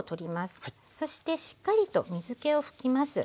そしてしっかりと水けを拭きます。